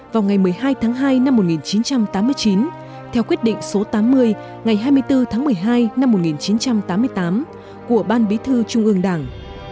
vào ngày một mươi hai tháng hai năm một nghìn chín trăm tám mươi chín theo quyết định số tám mươi ngày hai mươi bốn tháng một mươi hai năm một nghìn chín trăm tám mươi tám của ban bí thư trung ương đảng